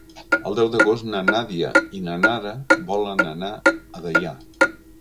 El deu d'agost na Nàdia i na Nara volen anar a Deià.